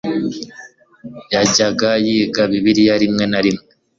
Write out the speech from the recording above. yajyaga yiga bibiliya rimwe na rimwe